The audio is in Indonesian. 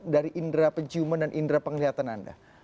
dari indera penciuman dan indera penglihatan anda